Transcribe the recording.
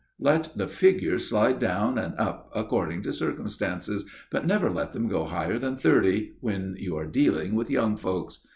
let the figures slide down and up, according to circumstances, but never let them go higher than thirty when you are dealing with young folks.